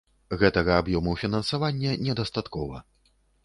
Гэтага аб'ёму фінансавання недастаткова.